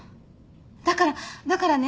だからだからね